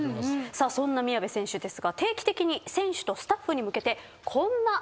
そんな宮部選手ですが定期的に選手とスタッフに向けてこんな発表をしています。